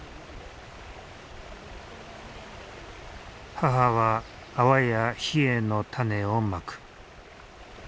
母はアワやヒエの種をまく。